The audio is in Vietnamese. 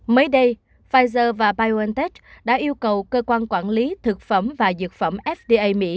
mới đây pfizer và biontech đã yêu cầu cơ quan quản lý thực phẩm và dược phẩm fda mỹ